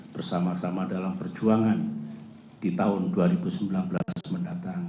bersama sama dalam perjuangan di tahun dua ribu sembilan belas mendatang